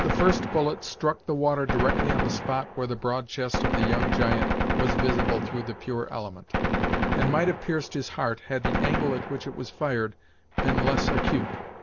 The first bullet struck the water directly on the spot where the broad chest of the young giant was visible through the pure element, and might have pierced his heart had the angle at which it was fired been less acute.